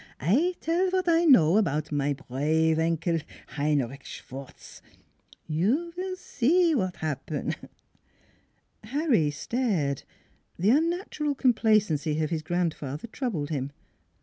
I tell vot I know about my prave Enkel, Heinrich Schwartz. You vill see vot happen! " Harry stared. The unnatural complacency of his grandfather troubled him.